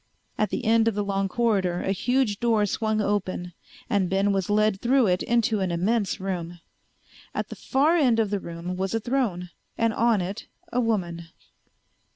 At the end of the long corridor a huge door swung open and Ben was led through it into an immense room. At the far end of the room was a throne, and on it a woman.